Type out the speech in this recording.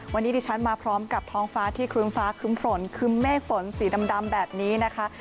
วันนี้ดิฉันมาพร้อมกับท้องฟ้าที่ครึ้มฟ้าครึ้มฝนคึ้มเมฆฝนสีดำแบบนี้นะคะ